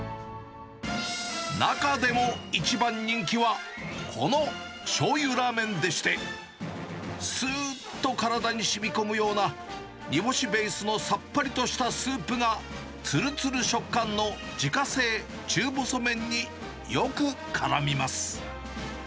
中でも、一番人気は、このしょうゆラーメンでして、すーっと体にしみこむような、煮干しベースのさっぱりとしたスープが、つるつる食感の自家製中細麺によくからみます。